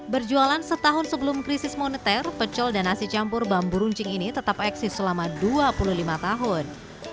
berjualan setahun sebelum krisis moneter pecel dan nasi campur bambu runcing ini tetap eksis selama dua puluh lima tahun